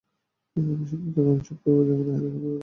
আমি শুধু তখনই চুপ করবো, যখন রোহানকে বিয়ে করতে রাজি হবে।